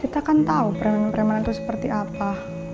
kita kan tahu preman premanen itu seperti apa